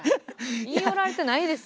言い寄られてないです。